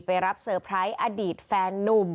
รับเซอร์ไพรส์อดีตแฟนนุ่ม